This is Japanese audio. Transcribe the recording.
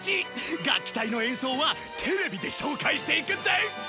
楽器隊の演奏はテレビで紹介していくぜ！